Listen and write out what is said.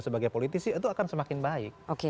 sebagai politisi itu akan semakin baik